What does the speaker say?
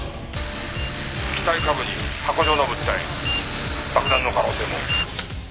「機体下部に箱状の物体爆弾の可能性も」